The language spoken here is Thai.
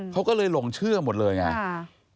เขาก็เลยหลงเชื่อหมดเลยไง